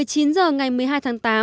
một mươi chín h ngày một mươi hai tháng tám